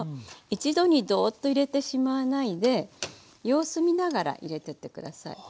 一度にドーッと入れてしまわないで様子見ながら入れてってください。